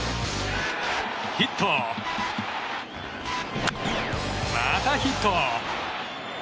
ヒット、またヒット。